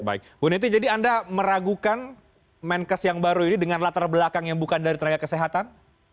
baik bu neti jadi anda meragukan menkes yang baru ini dengan latar belakang yang bukan dari tenaga kesehatan